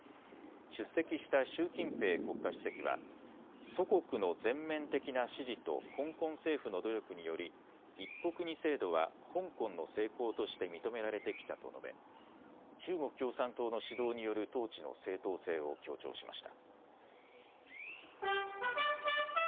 出席した習近平国家主席は祖国の全面的な支持と香港政府の努力により一国二制度は香港の成功として認められてきたと述べ中国共産党の指導による統治の正当性を強調しました。